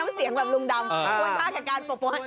น้ำเสียงแบบลุงดำควรค่าแก่การปรบมือให้